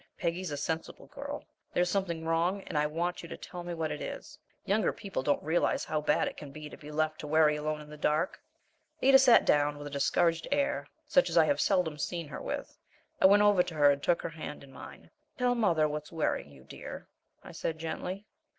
Peggy's a sensible girl. There's something wrong, and I want you to tell me what it is." Younger people don't realize how bad it can be to be left to worry alone in the dark. Ada sat down with a discouraged air such as I have seldom seen her with. I went over to her and took her hand in mine. "Tell mother what's worrying you, dear," I said, gently.